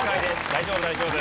大丈夫大丈夫。